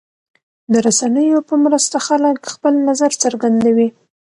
د رسنیو په مرسته خلک خپل نظر څرګندوي.